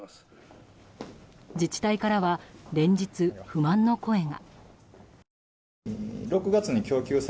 自治体からは連日、不満の声が。